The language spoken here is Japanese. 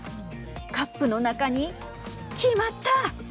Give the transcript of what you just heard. カップの中に決まった。